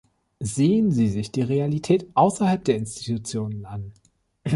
Sehen Sie sich die Realität außerhalb der Institutionen an!